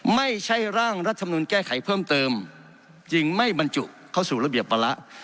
ไม่ใช่ร่างรัฐมนุนแก้ไขเพิ่มเติมจึงไม่บรรจุเข้าสู่ระเบียบวาระ